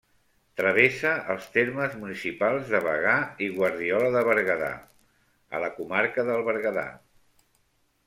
Travessa els termes municipals de Bagà i Guardiola de Berguedà, a la comarca del Berguedà.